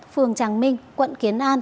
phường tràng minh quận kiến an